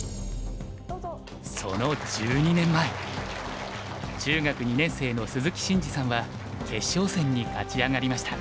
その１２年前中学２年生の鈴木伸二さんは決勝戦に勝ち上がりました。